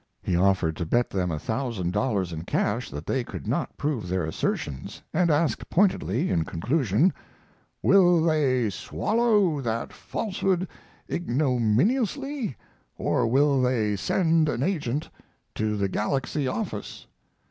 He offered to bet them a thousand dollars in cash that they could not prove their assertions, and asked pointedly, in conclusion: "Will they swallow that falsehood ignominiously, or will they send an agent to the Galaxy office?